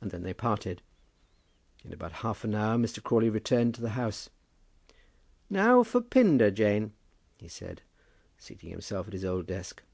And then they parted. In about half an hour Mr. Crawley returned to the house. "Now for Pindar, Jane," he said, seating himself at his old desk.